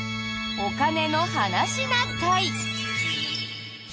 「お金の話な会」。